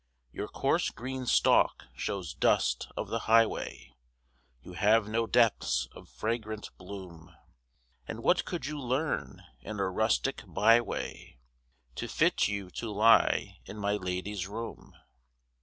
"Your coarse green stalk shows dust of the highway, You have no depths of fragrant bloom; And what could you learn in a rustic byway To fit you to lie in my lady's room?